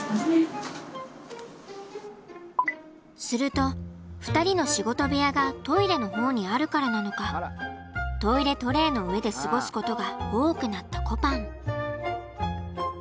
すると２人の仕事部屋がトイレの方にあるからなのかトイレトレーの上で過ごすことが多くなったこぱん。